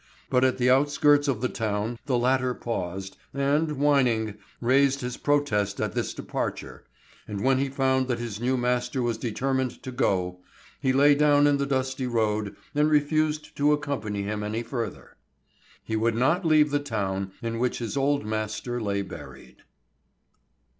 But at the outskirts of the town, the latter paused, and whining, raised his protest at this departure; and when he found that his new master was determined to go, he lay down in the dusty road and refused to accompany him any further. He would not leave the town in which his old master lay buried.